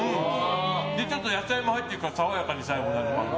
で、ちょっと野菜も入っているからさわやかに最後なって。